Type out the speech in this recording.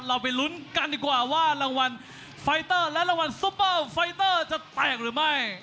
เราไปลุ้นกันดีกว่าว่ารางวัลไฟเตอร์และรางวัลซุปเปอร์ไฟเตอร์จะแตกหรือไม่